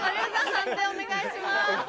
判定お願いします。